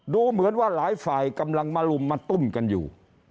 ดูเหมือนว่าหลายฝ่ายกำลังมาลุมมาตุ้มกันอยู่